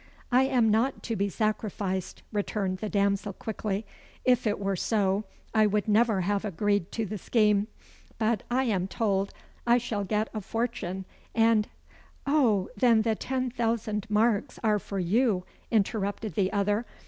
"I am not to be sacrificed," returned the damsel quickly. "If it were so, I would never have agreed to the scheme. But I am told I shall get a fortune, and " "Oh, then the ten thousand marks are for you!" interrupted the other.